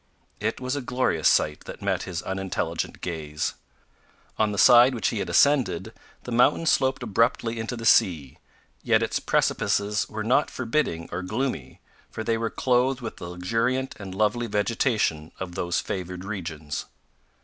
It was a glorious sight that met his unintelligent gaze. On the side which he had ascended, the mountain sloped abruptly into the sea, yet its precipices were not forbidding or gloomy, for they were clothed with the luxuriant and lovely vegetation of those favoured regions.